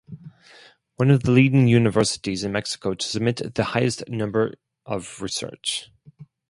One of the leading universities in Mexico to submit the highest number of research.